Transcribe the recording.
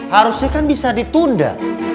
harusnya kan bisa ditunda